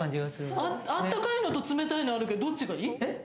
あったかいのと冷たいのあるけど、どっちがいい？